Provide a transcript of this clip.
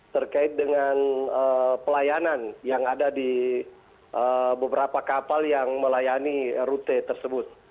terkait dengan pelayanan yang ada di beberapa kapal yang melayani rute tersebut